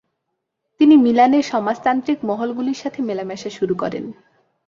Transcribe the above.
তিনি মিলানের সমাজতান্ত্রিক মহলগুলির সাথে মেলামেশা শুরু করেন।